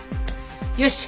よし！